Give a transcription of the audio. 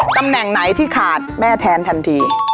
ตำแหน่งไหนที่ขาดแม่แทนทันที